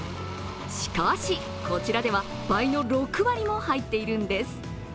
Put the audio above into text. しかし、こちらでは倍の６割も入っているんです。